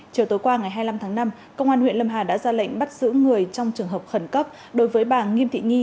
chiều tối qua ngày hai mươi năm tháng năm công an huyện lâm hà đã ra lệnh bắt giữ người trong trường hợp khẩn cấp đối với bà nghiêm thị